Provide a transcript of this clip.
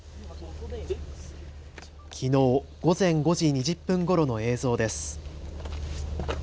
きのう午前５時２０分ごろの映像です。